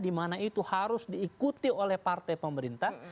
dimana itu harus diikuti oleh partai pemerintah